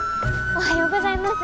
おはようございます。